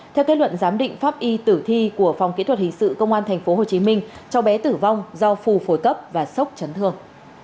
theo kết luận giám định pháp y tử thi của phòng kỹ thuật hình sự công an tp hcm cháu bé tử vong do phù phổi cấp và sốc chấn thương